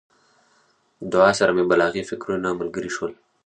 دعا سره مې بلاغي فکرونه ملګري شول.